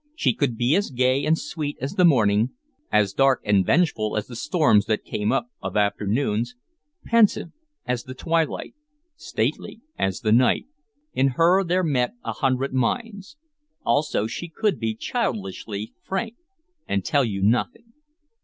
She could be as gay and sweet as the morning, as dark and vengeful as the storms that came up of afternoons, pensive as the twilight, stately as the night, in her there met a hundred minds. Also she could be childishly frank and tell you nothing.